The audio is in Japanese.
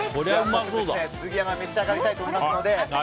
杉山、召し上がりたいと思いますので。